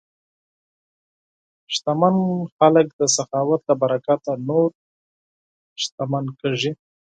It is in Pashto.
شتمن خلک د سخاوت له برکته نور شتمن کېږي.